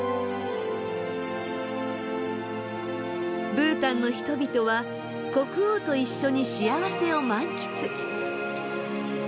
ブータンの人々は国王と一緒に幸せを満喫。